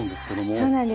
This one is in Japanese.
そうなんです。